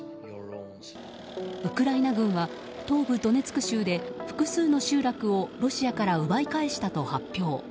ウクライナ軍は東部ドネツク州で複数の集落をロシアから奪い返したと発表。